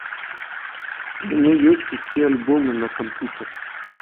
У мяне ёсць усе альбомы на кампутары.